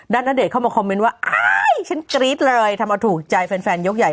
ณเดชนเข้ามาคอมเมนต์ว่าอ้ายฉันกรี๊ดเลยทำเอาถูกใจแฟนยกใหญ่